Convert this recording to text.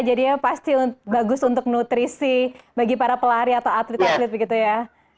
jadi ya pasti bagus untuk nutrisi bagi para pelari atau atlet atlet begitu ya